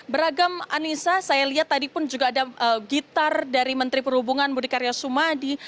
beragam anissa saya lihat tadi pun juga ada gitar dari menteri perhubungan budi karya sumadi